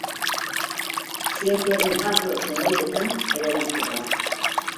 Zientziaren arlo zenbaitetan erabiltzen da.